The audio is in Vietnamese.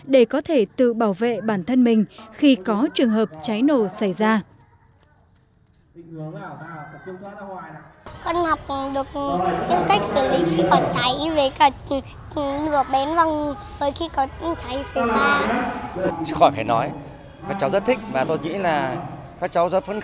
để có thể tự bảo vệ bản thân mình khi có trường hợp cháy nổ xảy ra